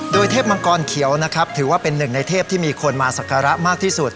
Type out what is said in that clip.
โดยเทพมังกรเขียวนะครับถือว่าเป็นหนึ่งในเทพที่มีคนมาสักการะมากที่สุด